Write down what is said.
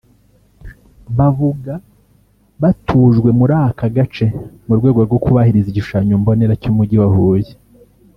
Bavuga batujwe muri aka gace mu rwego rwo kubahiriza igishushanyo mbonera cy’umugi wa Huye